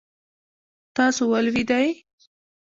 تاسو ولوېدلئ؟